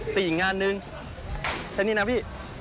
แต่อีกงานนึงแค่นี้นะพี่